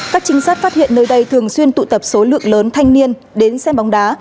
các trinh sát phát hiện nơi đây thường xuyên tụ tập số lượng lớn thanh niên đến xem bóng đá